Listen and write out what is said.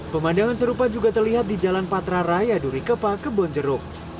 pemandangan serupa juga terlihat di jalan patra raya duri kepa ke bonjeruk